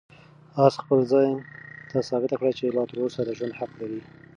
آس خپل ځان ته ثابته کړه چې لا تر اوسه د ژوند حق لري.